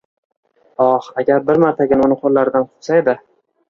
Oh, agar bir martagina uning qo‘llaridan tutsa edi.